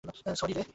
Sorry, রে।